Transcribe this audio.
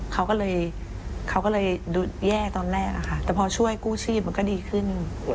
เขาก็เลยดูแย่ตอนแรกแต่พอช่วยกู้ชีพก็ดีขึ้น